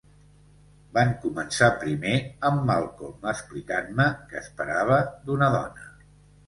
Van començar primer amb Malcolm explicant-me què esperava d'una dona.